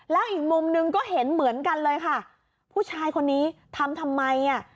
แล้วอีกมุมหนึ่งก็เห็นเหมือนกันเลยค่ะผู้ชายคนนี้ทำทำไมอ่ะ